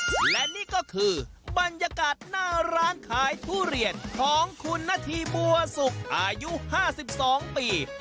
และนี่ก็คือบรรยากาศหน้าร้านขายทุเรียนของคุณนาธีบัวสุกอายุ๕๒ปี